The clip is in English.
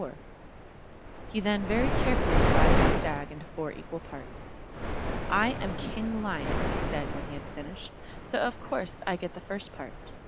He then very carefully divided the Stag into four equal parts. "I am King Lion," he said, when he had finished, "so of course I get the first part.